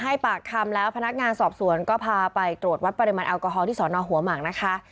ให้ปากคำแล้วพนักงานสอบสวนก็พาไปตรวจวัดปริมาณแอลกอฮอลที่สอนอหัวหมากนะคะ